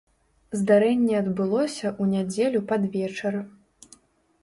Здарэнне адбылося ў нядзелю пад вечар.